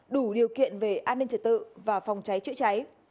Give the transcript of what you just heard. đủ điều kiện về an ninh trật tự và phòng cháy chữa cháy